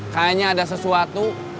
kayaknya ada sesuatu